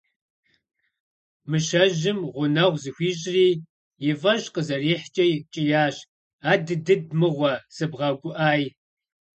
Мыщэжьым гъунэгъу зыхуищӏри и фӏэщ къызэрихькӏэ кӏиящ: «Адыдыд мыгъуэ сыбгъэгуӏай».